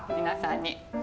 皆さんに。